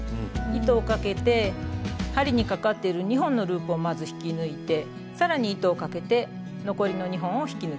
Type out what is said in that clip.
糸をかけて針にかかっている２本のループをまず引き抜いて更に糸をかけて残りの２本を引き抜きます。